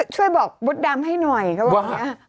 ช่วยบอกมดดำให้หน่อยเขาบอกอย่างนี้